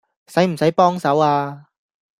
使唔使幫手呀